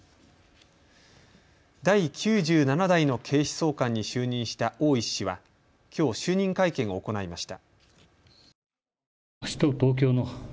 第９７代の警視総監に就任した大石氏はきょう就任会見を行いました。